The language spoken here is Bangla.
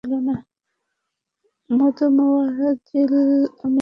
মাদমোয়াজিল, আমি কি কিছু বলতে পারি?